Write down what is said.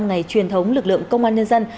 ngày truyền thống lực lượng công an nhân dân